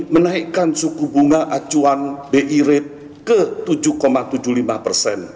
menaikkan suku bunga acuan bi rate ke tujuh tujuh puluh lima persen